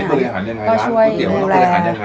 บริหารเนี้ยยังไงต้องช่วยดูแล